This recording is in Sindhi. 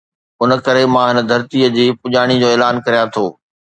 ان ڪري مان هن ڌرڻي جي پڄاڻي جو اعلان ڪريان ٿو.